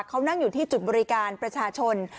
เขานั่งอยู่ที่จุดบริการประชาชน